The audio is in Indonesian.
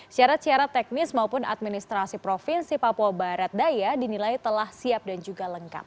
syarat syarat teknis maupun administrasi provinsi papua barat daya dinilai telah siap dan juga lengkap